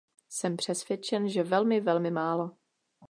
Jsem přesvědčen, že velmi, velmi málo.